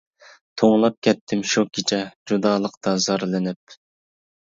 توڭلاپ كەتتىم شۇ كېچە، جۇدالىقتا زارلىنىپ.